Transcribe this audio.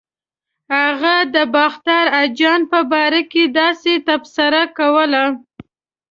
هغه د باختر اجان په باره کې داسې تبصره کوله.